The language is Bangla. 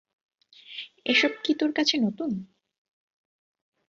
এসব কী তোর কাছে নতুন।